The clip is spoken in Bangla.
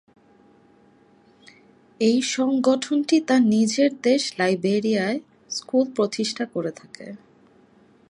এই সংগঠনটি তার নিজের দেশ লাইবেরিয়ায় স্কুল প্রতিষ্ঠা করে থাকে।